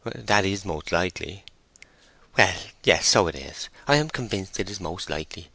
"That's most likely." "Well, yes, so it is. I am convinced it is most likely.